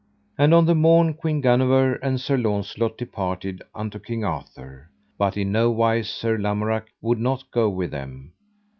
And on the morn Queen Guenever and Sir Launcelot departed unto King Arthur, but in no wise Sir Lamorak would not go with them.